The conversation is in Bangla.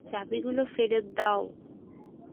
চাবিগুলো ফেরত দাও।